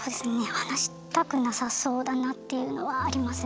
話したくなさそうだなっていうのはありますね。